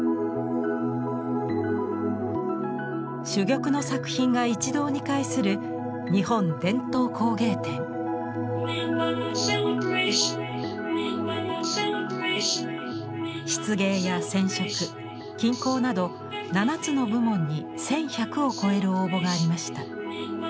珠玉の作品が一堂に会する漆芸や染織金工など７つの部門に１，１００を超える応募がありました。